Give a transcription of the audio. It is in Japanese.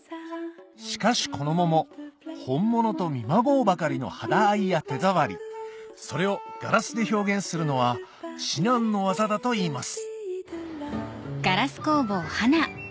しかしこの桃本物と見まごうばかりの肌合いや手触りそれをガラスで表現するのは至難の業だといいます